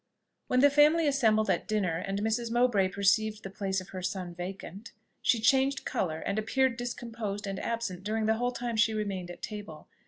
When the family assembled at dinner, and Mrs. Mowbray perceived the place of her son vacant, she changed colour, and appeared discomposed and absent during the whole time she remained at table.